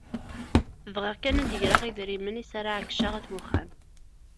Bɣiɣ kan ad d-greɣ idrimen iss ara εeyyceɣ ayt uxxam.